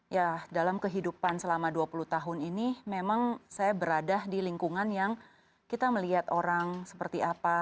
ya dalam kehidupan selama dua puluh tahun ini memang saya berada di lingkungan yang kita melihat orang seperti apa